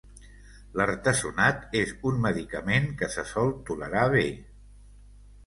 L'artesunat és un medicament que se sol tolerar bé.